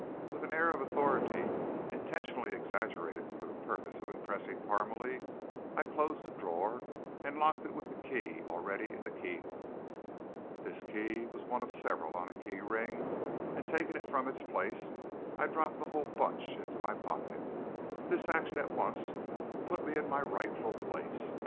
With an air of authority, intentionally exaggerated for the purpose of impressing Parmalee, I closed the drawer, and locked it with the key already in the keyhole. This key was one of several on a key ring, and, taking it from its place, I dropped the whole bunch in my pocket. This action at once put me in my rightful place.